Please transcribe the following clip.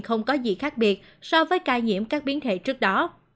không có gì khác biệt so với ca nhiễm các biến thể trước đó